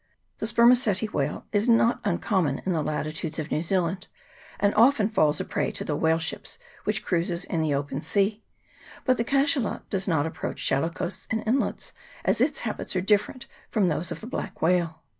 The spermaceti whale is not uncommon in the latitudes of New Zealand, and often falls a prey to the whale ships which cruise in the open sea ; but the cachelot does not approach shallow coasts and inlets, as its habits are different from those of the black whale.